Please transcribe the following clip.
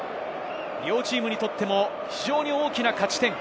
両チームにとっても非常に大きな勝ち点。